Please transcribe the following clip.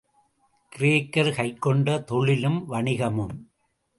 கிரேக்கர் கைக்கொண்ட தொழிலும் வாணிகமும்.